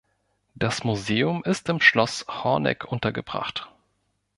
Das Museum ist im Schloss Horneck untergebracht.